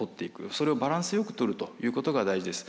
それをバランスよくとるということが大事です。